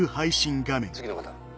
次の方。